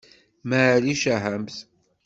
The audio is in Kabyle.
Maɛlic, ahamt!